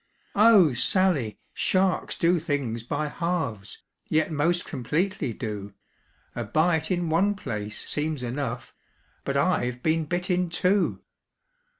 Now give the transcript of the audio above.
"Oh! Sally, sharks do things by halves, Yet most completely do! A bite in one place soems enough, But I've been bit in two.